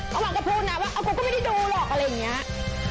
เมื่อก็พูดนะว่ากูก็ไม่ได้ดูหรอก